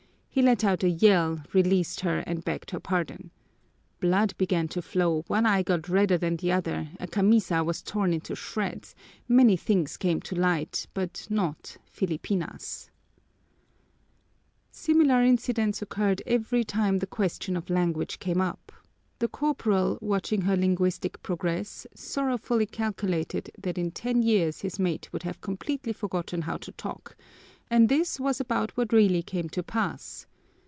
He let out a yell, released her and begged her pardon. Blood began to flow, one eye got redder than the other, a camisa was torn into shreds, many things came to light, but not Filipinas. Similar incidents occurred every time the question of language came up. The corporal, watching her linguistic progress, sorrowfully calculated that in ten years his mate would have completely forgotten how to talk, and this was about what really came to pass.